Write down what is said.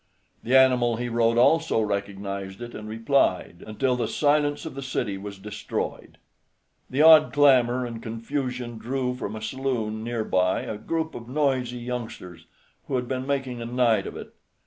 The animal he rode also recognized it, and replied, until the silence of the city was destroyed. The odd clamor and confusion drew from a saloon near by a group of noisy youngsters, who had been making a night of it.